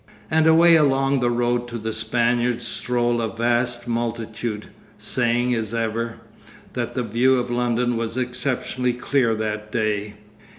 And away along the road to the Spaniards strolled a vast multitude, saying, as ever, that the view of London was exceptionally clear that day.